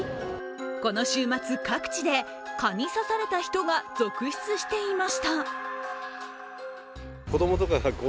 この週末、各地で蚊に刺された人が続出していました。